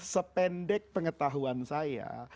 sependek pengetahuan saya